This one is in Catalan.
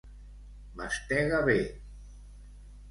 Mastega bé!